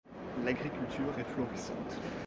L’agriculture est florissante.